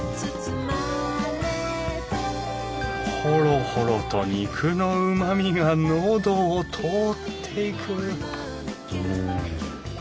ホロホロと肉のうまみが喉を通っていくうん！